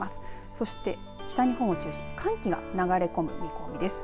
そして北日本を中心に寒気が流れ込む見込みです。